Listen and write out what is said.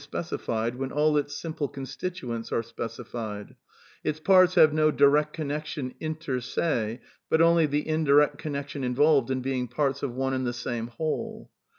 specified when all its simple con V \ Btituents are specified: its parts have no direct connection inter »e, but only the indirect connection involved in being ' parts of one and the aame whole."